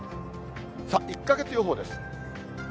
さあ、１か月予報です。